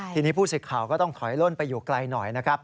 ทีนี้ผู้สิทธิ์ข่าวก็ต้องถอยล่นไปอยู่ไกลหน่อยนะครับ